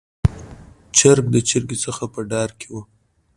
چرګ د چرګې څخه په ډار کې و.